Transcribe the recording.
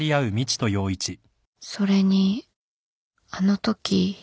それにあのとき